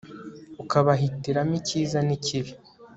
ukabahitiramo icyiza n'ikibi